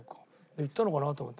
行ったのかなと思って。